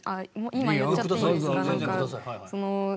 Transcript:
今言っちゃっていいですか？